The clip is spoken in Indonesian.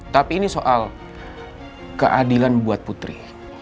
tapi ini soal keadilan buat putri